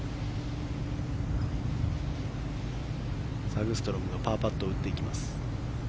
サグストロムがパーパットを打っていきます。